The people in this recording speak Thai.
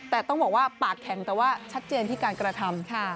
แต่ต้องบอกว่าปากแข็งแต่ว่าชัดเจนที่การกระทำ